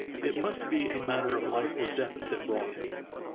It must be a matter of Ufe or death that brought him.